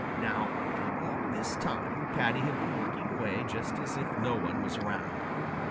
Now all this time Paddy had been working away just as if no one was around.